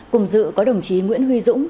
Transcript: cùng dự có đồng chí nguyễn huy dũng